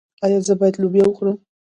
ایا زه باید لوبیا وخورم؟